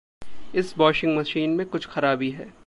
इस washing machine में कुछ खराबी है।